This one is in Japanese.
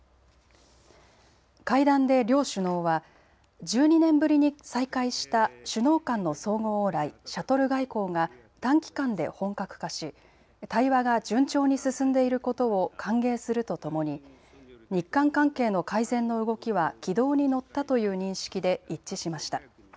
会談で両首脳は１２年ぶりに再開した首脳間の相互往来、シャトル外交が短期間で本格化し対話が順調に進んでいることを歓迎するとともに日韓関係の改善の動きは軌道に乗ったという認識で一致しました。